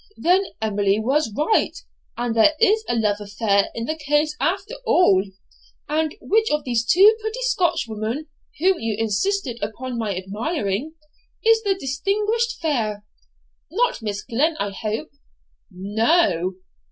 'Then Emily was right, and there is a love affair in the case after all? And which of these two pretty Scotchwomen, whom you insisted upon my admiring, is the distinguished fair? not Miss Glen I hope.' 'No.'